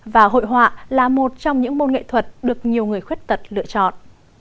và hội họa là một trong những môn nghệ thuật được nhiều người khuyết tật lựa chọn